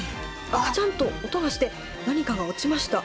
カチャンと音がして何かが落ちました。